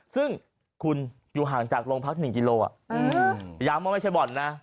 ซึ่งคุณอยู่ห่างจากโรงพัก๑กิโลย้ำว่าไม่ใช่บ่อนนะ